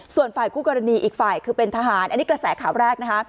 ส่วนฝ่ายคู่กรณีอีกฝ่ายคือเป็นทหารอันนี้กระแสข่าวแรกนะคะ